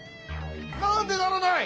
なんでならない？